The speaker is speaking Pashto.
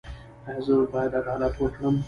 ایا زه باید عدالت وکړم؟